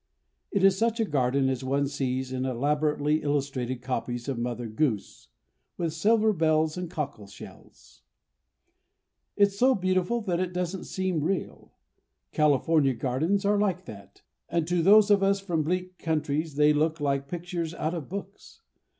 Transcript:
It is such a garden as one sees in elaborately illustrated copies of Mother Goose "with silver bells and cockle shells." It's so beautiful that it doesn't seem real. California gardens are like that, and to those of us from bleak countries they look like pictures out of books.